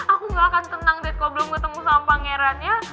aku gak akan tenang dad kalo belum ketemu sama pangeran ya